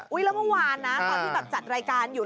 แล้วเมื่อวานนะตอนที่แบบจัดรายการอยู่